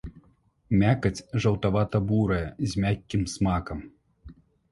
Мякаць жаўтавата-бурая з мяккім смакам.